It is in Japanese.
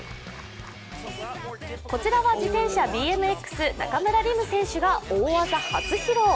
こちらは自転車ＢＭＸ・中村輪夢選手が大技を初披露。